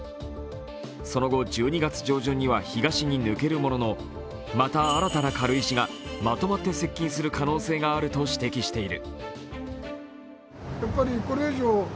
その後１２月上旬には東に抜けるもののまた新たな軽石がまとまって接近する可能性があると指摘している。